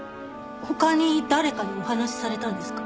他に誰かにお話しされたんですか？